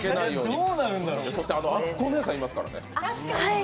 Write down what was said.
そして、あつこおねえさんいますからね。